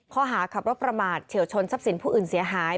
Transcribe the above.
ข้อหาขับรถประมาทเฉียวชนทรัพย์สินผู้อื่นเสียหาย